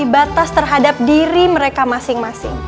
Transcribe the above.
yang melampaui batas terhadap diri mereka masing masing